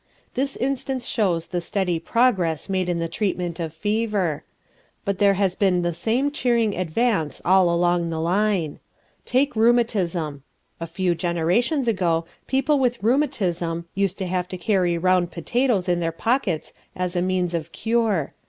This instance shows the steady progress made in the treatment of fever. But there has been the same cheering advance all along the line. Take rheumatism. A few generations ago people with rheumatism used to have to carry round potatoes in their pockets as a means of cure.